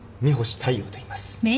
大陽といいます。